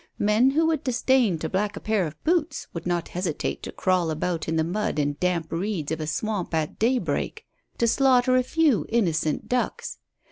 Men who would disdain to black a pair of boots would not hesitate to crawl about in the mud and damp reeds of a swamp at daybreak to slaughter a few innocent ducks.